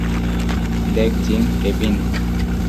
দেখ Jim, Kevin.